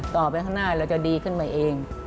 ต่อไปข้างหน้าเราจะดีขึ้นมาเอง